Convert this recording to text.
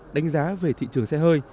đánh giá về thị trường xe hơi